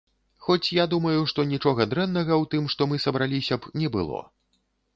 Хоць я думаю, што нічога дрэннага ў тым, што мы сабраліся б, не было.